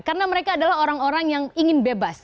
karena mereka adalah orang orang yang ingin bebas